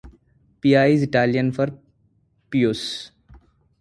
Pia is Italian for pious.